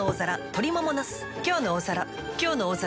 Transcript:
「きょうの大皿」